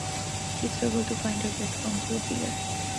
She struggled to find her best form throughout the year.